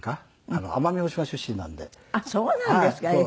あっそうなんですか。